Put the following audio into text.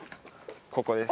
ここです。